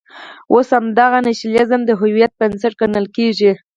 اوس همدغه نېشنلېزم د هویت بنسټ ګڼل کېږي.